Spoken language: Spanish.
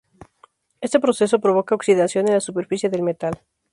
Éste proceso provoca oxidación en la superficie del metal.